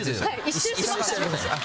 １周しましたね。